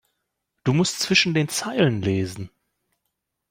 Du musst zwischen den Zeilen lesen.